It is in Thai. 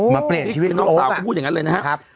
มาเปลี่ยนชีวิตของโอ๊ค